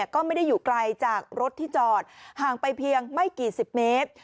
ก็ไม่ได้อยู่ไกลจากรถที่จอดห่างไปเพียงไม่กี่สิบเมตร